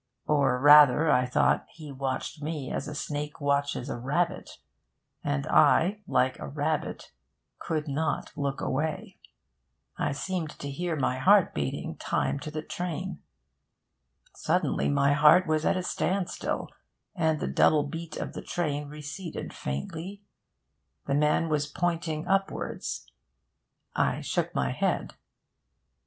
Or rather, I thought, he watched me as a snake watches a rabbit, and I, like a rabbit, could not look away. I seemed to hear my heart beating time to the train. Suddenly my heart was at a standstill, and the double beat of the train receded faintly. The man was pointing upwards...I shook my head.